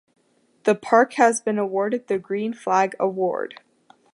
The park has been awarded the Green Flag Award.